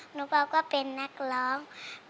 หนูบอกว่าเป็นนักร้อง